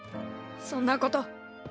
そんなこと。